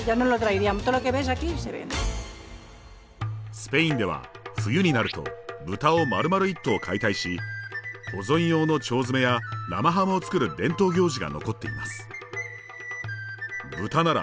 スペインでは冬になると豚をまるまる一頭解体し保存用の腸詰めや生ハムを作る伝統行事が残っています。